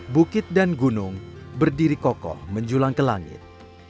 bukit dan gunung berdiri kokoh menjulang ke langit